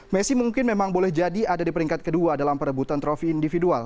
messi mungkin memang boleh jadi ada di peringkat kedua dalam perebutan trofi individual